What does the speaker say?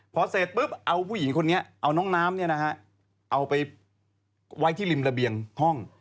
พอเสร็จปุ๊บเอาผู้หญิงคนนี้เอาน้องน้ำเอาไปไว้ที่ริมระเบียงห้อง